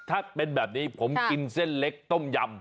ถ้าเป็นแบบนี้ผมกินเส้นเล็กต้มยำ